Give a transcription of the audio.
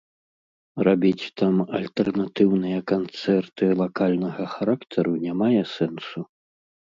Рабіць там альтэрнатыўныя канцэрты лакальнага характару не мае сэнсу.